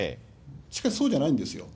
しかし、そうじゃないんですよ。